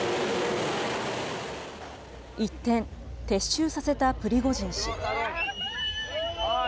一転、撤収させたプリゴジン氏。